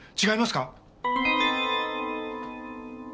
違いますか？